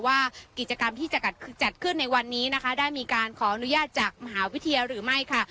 ว่ากิจกรรมที่จะจัดขึ้นในวันนี้นะคะได้มีการขออนุญาตจากมหาวิทยาลัยหรือไม่ค่ะ